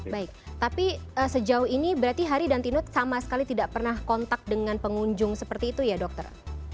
baik tapi sejauh ini berarti hari dan tinut sama sekali tidak pernah kontak dengan pengunjung seperti itu ya dokter